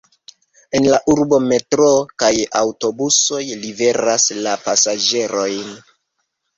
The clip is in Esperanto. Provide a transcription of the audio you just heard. En la urbo metroo kaj aŭtobusoj liveras la pasaĝerojn.